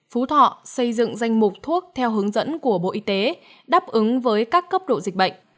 phú thọ xây dựng danh mục thuốc theo hướng dẫn của bộ y tế đáp ứng với các cấp độ dịch bệnh